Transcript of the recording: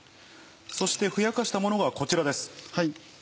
そしてふやかしたものがこちらです。